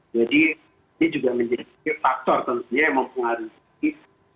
jadi ini juga menjadi faktor tentunya yang mempengaruhi